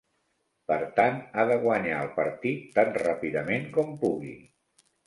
Per tant, ha de guanyar el partit tan ràpidament com pugui.